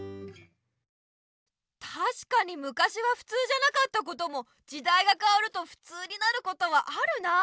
たしかにむかしはふつうじゃなかったこともじだいがかわるとふつうになることはあるなあ。